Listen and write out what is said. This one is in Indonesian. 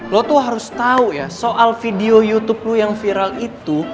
lo tuh harus tahu ya soal video youtube lo yang viral itu